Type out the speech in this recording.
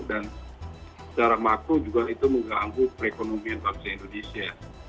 dan secara makro juga itu mengganggu perekonomian bangsa indonesia